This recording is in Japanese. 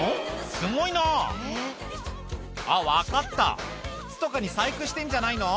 すごいなあっ分かった靴とかに細工してんじゃないの？